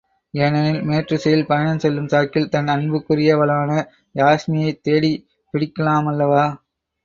ஏனெனில், மேற்றிசையில் பயணம் செல்லும் சாக்கில் தன் அன்புக்குரியவளான யாஸ்மியைத் தேடிப் பிடிக்கலாமல்லவா?